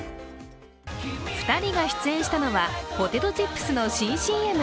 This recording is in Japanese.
２人が出演したのはポテトチップスの新ＣＭ。